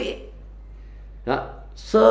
sơ đồ vị trí số lượng nhân viên